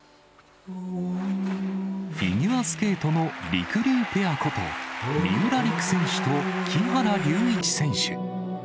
フィギュアスケートのりくりゅうペアこと、三浦璃来選手と木原龍一選手。